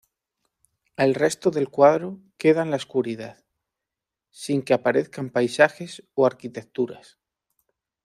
El resto del cuadro queda en la oscuridad, sin que aparezcan paisajes o arquitecturas.